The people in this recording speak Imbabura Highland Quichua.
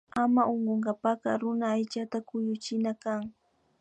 Ama unkunkak runa aychata kuyuchina kan